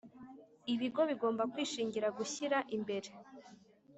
Ibigo bigomba kwishingira gushyira imbere